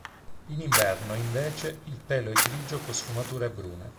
In inverno, invece, il pelo è grigio con sfumature brune.